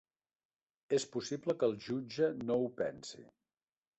És possible que el jutge no ho pensi.